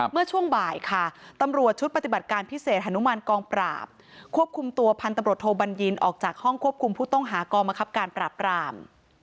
เมื่อช่วงบ่ายค่ะตำรวจชุดปฏิบัติการพิเศษฮานุมานกองปราบควบคุมตัวพันตำรวจโทบัญญินออกจากห้องควบคุมผู้ต้องหากองมะครับการปราบราม